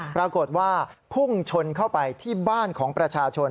ปรากฏว่าพุ่งชนเข้าไปที่บ้านของประชาชน